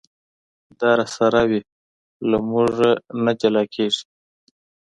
دا راسره وي له مونږه نه جلا کېږي.